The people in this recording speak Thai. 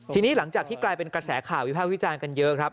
ทีนี้หลังจากที่กลายเป็นกระแสข่าววิภาควิจารณ์กันเยอะครับ